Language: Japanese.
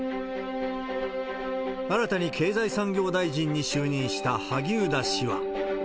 新たに経済産業大臣に就任した萩生田氏は。